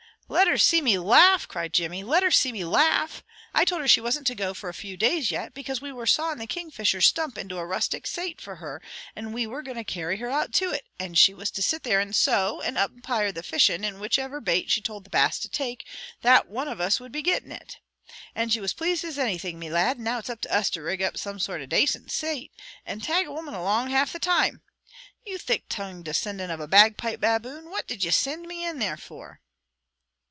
"Let her see me laugh!" cried Jimmy. "Let her see me laugh! I told her she wasn't to go for a few days yet, because we were sawin' the Kingfisher's stump up into a rustic sate for her, and we were goin' to carry her out to it, and she was to sit there and sew, and umpire the fishin', and whichiver bait she told the Bass to take, that one of us would be gettin' it. And she was pleased as anything, me lad, and now it's up to us to rig up some sort of a dacint sate, and tag a woman along half the time. You thick tongued descindint of a bagpipe baboon, what did you sind me in there for?"